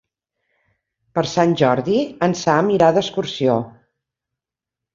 Per Sant Jordi en Sam irà d'excursió.